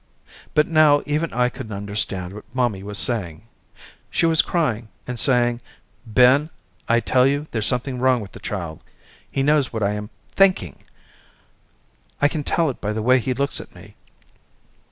But now even I couldn't understand what mommy was saying. She was crying and saying Ben I tell you there's something wrong with the child, he knows what I'm thinking, I can tell it by the way he looks at me.